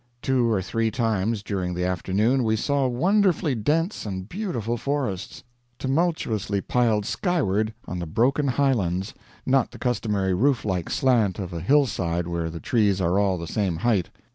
Two or three times during the afternoon we saw wonderfully dense and beautiful forests, tumultuously piled skyward on the broken highlands not the customary roof like slant of a hillside, where the trees are all the same height.